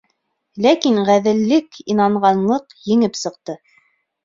Ләкин ғәҙеллек, инанғанлыҡ еңеп сыҡты.